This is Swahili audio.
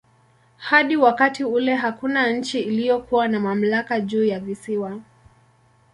Hadi wakati ule hakuna nchi iliyokuwa na mamlaka juu ya visiwa.